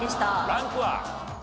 ランクは？